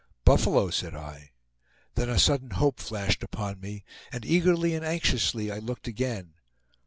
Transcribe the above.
"Buffalo!" said I. Then a sudden hope flashed upon me, and eagerly and anxiously I looked again.